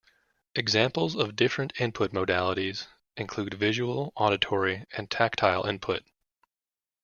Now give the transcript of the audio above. Examples of different input modalities include visual, auditory and tactile input.